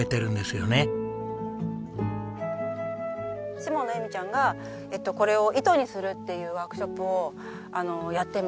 下野惠美ちゃんがこれを糸にするっていうワークショップをやってますね。